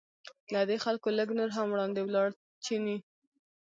له دې خلکو لږ نور هم وړاندې ولاړ چیني.